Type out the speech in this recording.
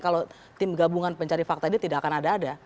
kalau tim gabungan pencari fakta ini tidak akan ada ada